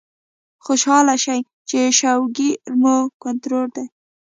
خوشاله شئ چې شوګر مو کنټرول دے